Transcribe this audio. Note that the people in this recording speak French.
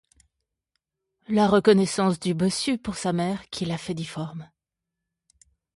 La reconnaissance du bossu pour sa mère qui l’a fait difforme.